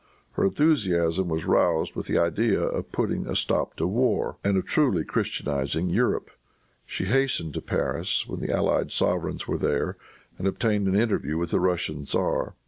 Her enthusiasm was roused with the idea of putting a stop to war, and of truly Christianizing Europe. She hastened to Paris, when the allied sovereigns were there, and obtained an interview with the Russian tzar.